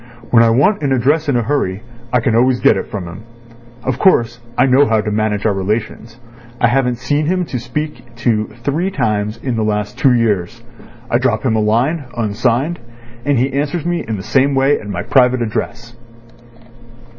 When I want an address in a hurry, I can always get it from him. Of course, I know how to manage our relations. I haven't seen him to speak to three times in the last two years. I drop him a line, unsigned, and he answers me in the same way at my private address."